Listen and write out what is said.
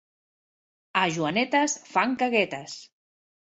A Joanetes fan caguetes.